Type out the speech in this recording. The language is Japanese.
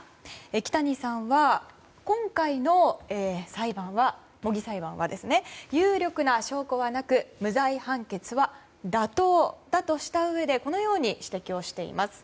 木谷さんは、今回の模擬裁判は有力な証拠はなく無罪判決は妥当だとしたうえでこのように指摘をしています。